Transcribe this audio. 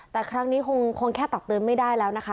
แต่ครั้งนี้คงแค่ตักเตือนไม่ได้แล้วนะคะ